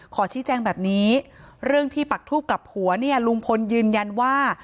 ขอชี้แจงแบบนี้เรื่องที่ปักทูบกลับหัวเนี่ยลุงพลยืนยันว่า